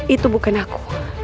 itu bukan aku